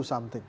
mas jok dengan